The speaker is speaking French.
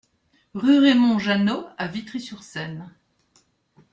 Rue Raymond Jeannot à Vitry-sur-Seine